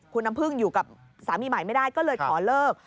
คุณน้ำพึ่งอยู่กับสามีใหม่ไม่ได้ก็เลยขอเลิก